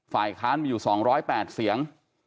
ฝ่ายค้านมีอยู่๒๐๘เสียง